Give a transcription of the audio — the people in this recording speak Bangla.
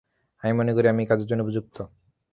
আমি মনে করি আমি এই কাজের জন্য উপযুক্ত।